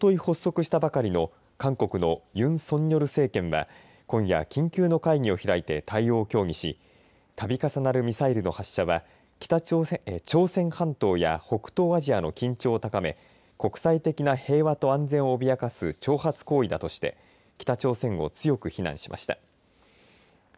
おととい発足したばかりの韓国のユン・ソンニョル政権は今夜緊急の会議を開いて対応を協議したび重なるミサイルの発射は朝鮮半島や北東アジアの緊張を高め国際的な平和と安全を脅かす挑発行為だとして北朝鮮を強く非難しました。